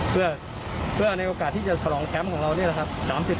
เพื่อในโอกาสที่จะฉลองแชมป์ของเรานี่แหละครับ